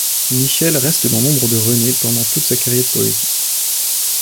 Michel reste dans l'ombre de René pendant toute sa carrière politique.